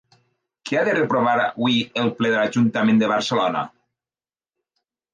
Què ha de reprovar avui el ple de l'Ajuntament de Barcelona?